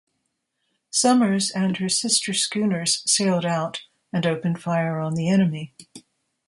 "Somers" and her sister schooners sailed out and opened fire on the enemy.